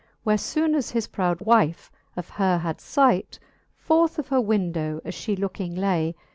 Where foone as his proud wife of her had fight. Forth of her window as flie looking lay.